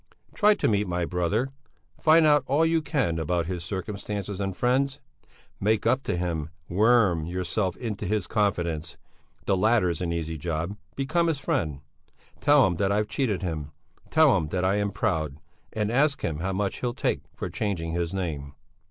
Try to meet my brother; find out all you can about his circumstances and friends! Make up to him, worm yourself into his confidence the latter's an easy job become his friend! Tell him that I've cheated him, tell him that I am proud, and ask him how much he'll take for changing his name."